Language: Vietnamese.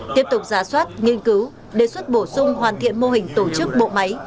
tiếp tục giả soát nghiên cứu đề xuất bổ sung hoàn thiện mô hình tổ chức bộ máy